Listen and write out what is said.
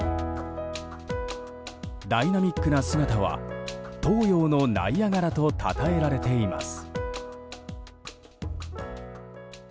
ダイナミックな姿は東洋のナイアガラとたたえられています。